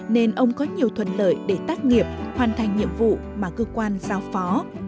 nên ông có nhiều thuận lợi để tác nghiệp hoàn thành nhiệm vụ mà cơ quan giao phó